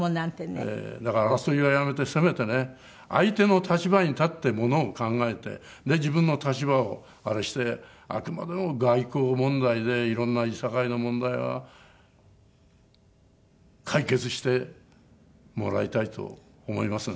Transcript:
だから争いはやめてせめてね相手の立場に立ってものを考えて自分の立場をあれしてあくまでも外交問題でいろんないさかいの問題は解決してもらいたいと思いますね。